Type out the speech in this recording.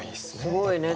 すごいね。